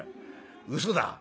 うそだ」。